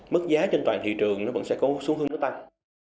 mức giá trên toàn thị trường nó vẫn sẽ có xu hướng nó tăng